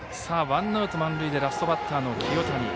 ワンアウト、満塁でラストバッターの清谷。